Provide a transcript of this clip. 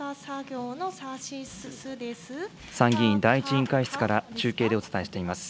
参議院第１委員会室から中継でお伝えしています。